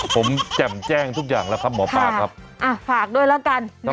ผมแจ่มแจ้งทุกอย่างแล้วครับหมอปลาครับฝากด้วยแล้วกัน